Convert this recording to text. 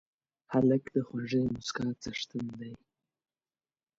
هلک د خوږې موسکا څښتن دی.